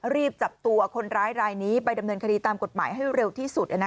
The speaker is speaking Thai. รีบจับตัวคนร้ายรายนี้ไปดำเนินคดีตามกฎหมายให้เร็วที่สุด